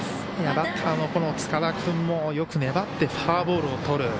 バッターの塚田君もよく粘って、フォアボールをとる。